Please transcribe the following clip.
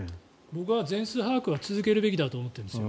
僕は全数把握は続けるべきだと思ってるんです。